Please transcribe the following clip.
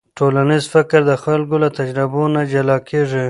ټولنیز فکر د خلکو له تجربو نه جلا کېږي.